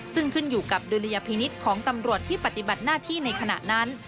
ซึ่งขึ้นอยู่กับดุลยพินิษฐ์ของตำรวจที่ปฏิบัติหน้าที่ในขณะนั้น